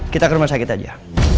kita ke rumah sakit aja